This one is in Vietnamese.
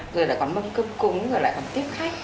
rồi là còn mâm cơm cúng rồi lại còn tiếp khách